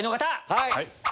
はい！